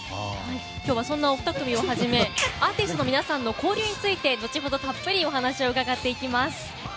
今日はそんなお二組をはじめアーティストの皆さんの交流について、後ほどたっぷりお話を伺っていきます。